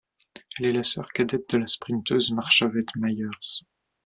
Elle est la sœur cadette de la sprinteuse Marshevet Myers.